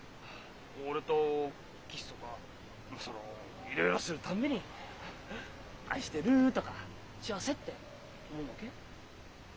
俺とキスとかそのいろいろするたんびに「愛してる」とか「幸せ」って思うわけ？